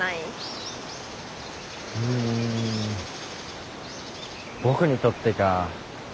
うん僕にとってか。